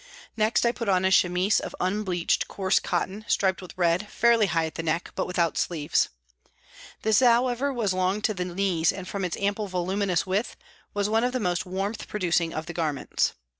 Next I put on a chemise of unbleached, coarse cotton, striped with red, fairly high at the neck, but without sleeves. This how ever, was long to the knees and from its ample voluminous width was one of the most warmth producing of the garments.